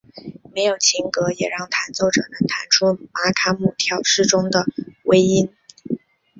没有琴格也让弹奏者能弹出玛卡姆调式中的微音。